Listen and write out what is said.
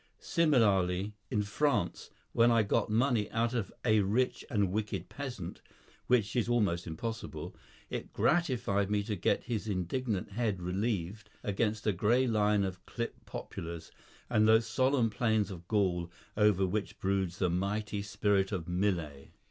Similarly, in France, when I had got money out of a rich and wicked peasant (which is almost impossible), it gratified me to get his indignant head relieved against a grey line of clipped poplars, and those solemn plains of Gaul over which broods the mighty spirit of Millet.